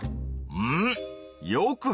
うん。